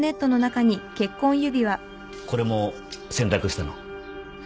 これも洗濯したの？